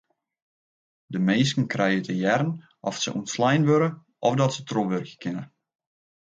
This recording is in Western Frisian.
De minsken krije te hearren oft se ûntslein wurde of dat se trochwurkje kinne.